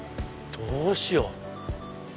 どうしよう？